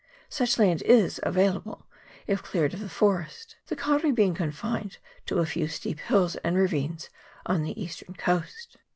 Such land is available, if cleared of the forest ; the kauri being confined to a few steep hills and ravines on the eastern coast.